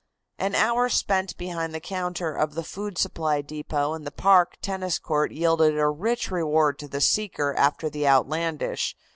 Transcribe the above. An hour spent behind the counter of the food supply depot in the park tennis court yielded rich reward to the seeker after the outlandish.